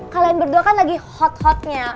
kalian berdua kan lagi hot hotnya